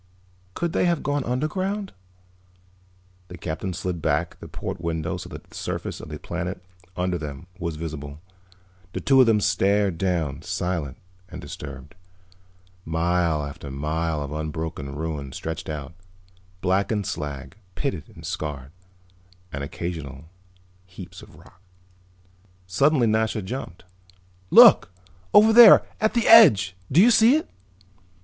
"Could they have gone underground?" The Captain slid back the port window so that the surface of the planet under them was visible. The two of them stared down, silent and disturbed. Mile after mile of unbroken ruin stretched out, blackened slag, pitted and scarred, and occasional heaps of rock. Suddenly Nasha jumped. "Look! Over there, at the edge. Do you see it?"